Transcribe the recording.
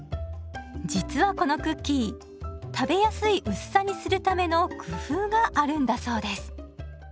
実はこのクッキー食べやすい薄さにするための工夫があるんだそうです。